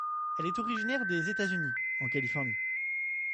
Elle est originaire des États-Unis, en Californie.